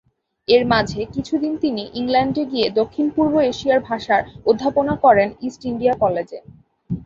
এর মাঝে কিছুদিন তিনি ইংল্যান্ডে গিয়ে দক্ষিণ-পূর্ব এশিয়ার ভাষার অধ্যাপনা করেন ইস্ট ইন্ডিয়া কলেজে।